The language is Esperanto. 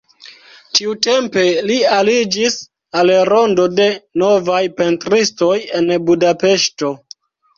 Tiutempe li aliĝis al rondo de novaj pentristoj en Budapeŝto.